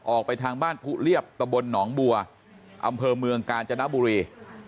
ออกไปทางบ้านผู้เรียบตะบลหนองบัวอำเภอเมืองกาญจนบุรี